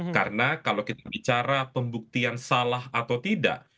karena kalau kita bicara pembuktian salah atau tidak